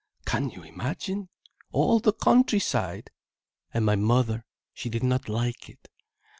Can you imagine? All the countryside! And my mother, she did not like it.